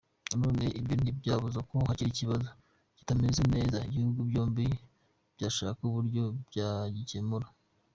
Na none ibyo ntibyabuza ko hari ikibazo kitameze neza, ibihugu byombi byashaka uburyo byagikemura.